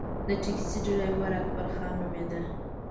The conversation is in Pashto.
د ټیکسي ډریور اکبرخان نومېده.